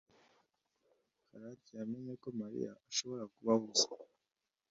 Karake yamenye ko Mariya ashobora kuba ahuze.